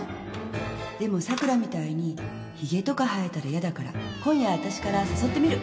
でも桜みたいにひげとか生えたらやだから今夜私から誘ってみる